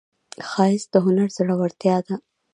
ښایست د هنر زړورتیا ده